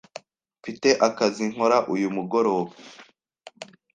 Mfite akazi nkora uyu mugoroba.